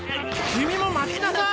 君も待ちなさい！